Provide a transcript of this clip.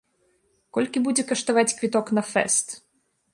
Колькі будзе каштаваць квіток на фэст?